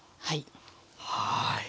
はい。